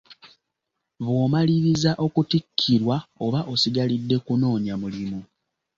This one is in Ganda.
Bw’omaliriza okutikkirwa oba osigalidde kunoonya mulimu.